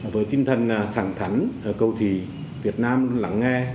với tinh thần thẳng thắn cầu thị việt nam lắng nghe